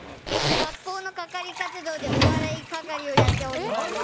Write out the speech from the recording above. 学校の係活動でお笑い係をやっております。